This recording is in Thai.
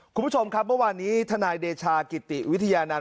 คุณผู้ชมครับเมื่อวานนี้ทนายเดชากิติวิทยานันต